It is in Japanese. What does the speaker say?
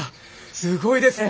すごいですね！